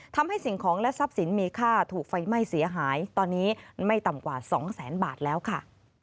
ทำให้สิ่งของและทรัพย์สินมีค่าถูกไฟไหม้เสียหายตอนนี้ไม่ต่ำกว่าสองแสนบาทแล้วค่ะ